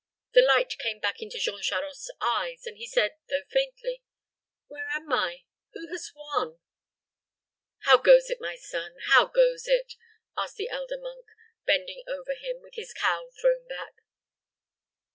The light came back into Jean Charost's eyes, and he said, though faintly, "Where am I? Who has won?" "How goes it, my son how goes it?" asked the elder monk, bending over him, with his cowl thrown back.